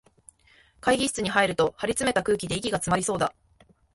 会議室に入ると、張りつめた空気で息がつまりそうだ